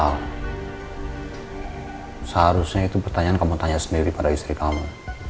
seharusnya itu pertanyaan kamu tanya sendiri pada istri kamu